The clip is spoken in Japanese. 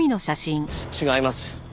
違います。